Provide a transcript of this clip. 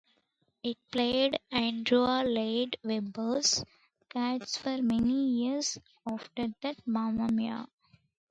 It played Andrew Lloyd Webber's "Cats" for many years, after that "Mamma Mia!